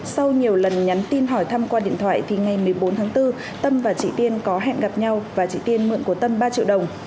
sau nhiều lần nhắn tin hỏi thăm qua điện thoại thì ngày một mươi bốn tháng bốn tâm và chị tiên có hẹn gặp nhau và chị tiên mượn của tâm ba triệu đồng